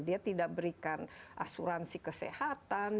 dia tidak berikan asuransi kesehatan